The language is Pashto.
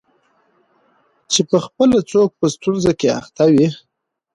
چي پخپله څوک په ستونزه کي اخته وي